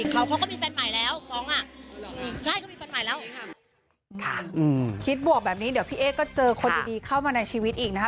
เขาก็มีแฟนใหม่แล้วฟ้อง